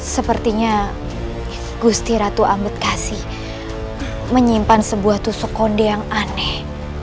sepertinya gusti ratu ambedkase menyimpan sebuah tusuk konde yang aneh